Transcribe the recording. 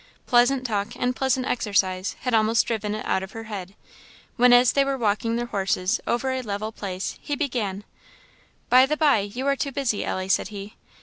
Pleasant talk and pleasant exercise had almost driven it out of her head, when as they were walking their horses over a level place, he suddenly began "By the bye, you are too busy, Ellie," said he.